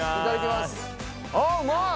あうまい！